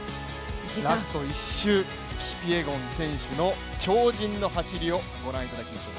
ラスト１周、キピエゴン選手の超人の走りをご覧いただきましょう。